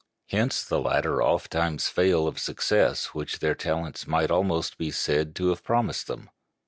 Hence the latter ofttimes fail of success which their talents might almost be said to have promised them.